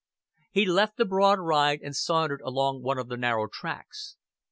He left the broad ride and sauntered along one of the narrow tracks.